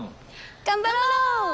頑張ろう！